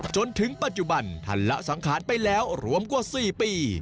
จนถึงปัจจุบันท่านละสังขารไปแล้วรวมกว่า๔ปี